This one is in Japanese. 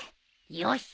よし！